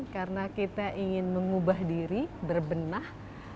karena kita ingin mengubah diri berbenah